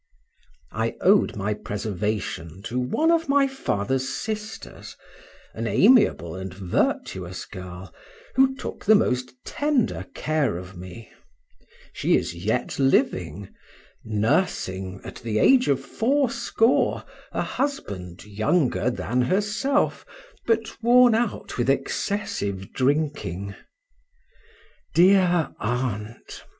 I owed my preservation to one of my father's sisters, an amiable and virtuous girl, who took the most tender care of me; she is yet living, nursing, at the age of four score, a husband younger than herself, but worn out with excessive drinking. Dear aunt!